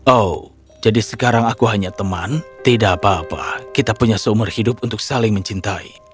oh jadi sekarang aku hanya teman tidak apa apa kita punya seumur hidup untuk saling mencintai